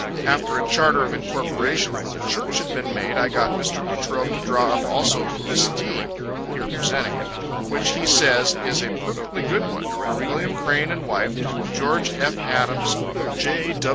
After a charter of incorporation for the Church had been made, I got Mr. Latrobe to draw up also this deed, [here presenting it] which he says is a perfectly good one from William Crane and wife, to Geo. F. Adams, J.